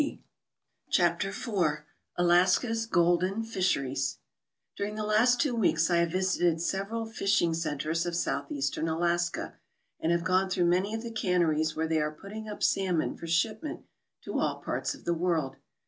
CHAPTER IV ALASKA'S GOLDEN FISHERIES DURING the last two weeks I have visited several fishing centres of Southeastern Alaska, and have gone through many of the canneries where they are putting up , salmon for shipment to all parts of the world.